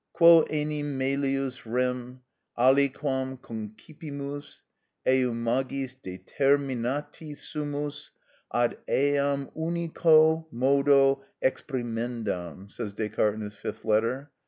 "Quo enim melius rem aliquam concipimus eo magis determinati sumus ad eam unico modo exprimendam," says Descartes in his fifth letter.